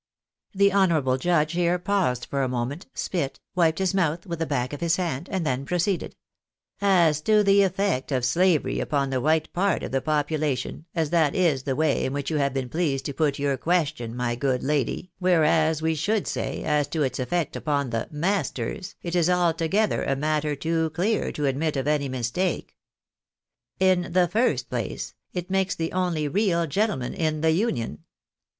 The honourable judge here paused for a moment, spit, wiped his mouth with the back of his hand, and then proceeded —" As to the effect of slavery upon the white part of the popula tion, as that is the way in which you have been pleased to put your (question, my good lady, whereas we should say, as to its effect upon 142 THE BARNABYS IN AJIEEICA. the masters, it is altogether a matter too clear to admit of any mistake. "lu the first place, it makes the only real gentlemen in the Union.